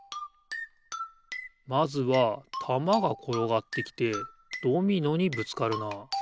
まずはたまがころがってきてドミノにぶつかるなあ。